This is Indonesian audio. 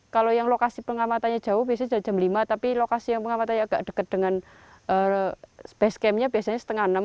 kalau yang lokasi pengamatannya jauh biasanya sudah jam lima tapi lokasi yang pengamatannya agak dekat dengan base camp nya biasanya setengah enam